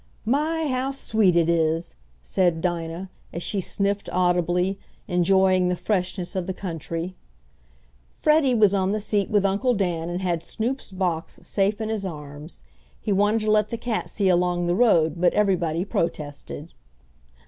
"My, how sweet it is!" said Dinah, as she sniffed audibly, enjoying the freshness of the country. Freddie was on the seat with Uncle Dan and had Snoop's box safe in his arms. He wanted to let the cat see along the road, but everybody protested.